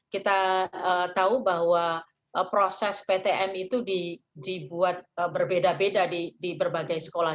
kita tahu bahwa proses ptm itu dibuat berbeda beda di berbagai sekolah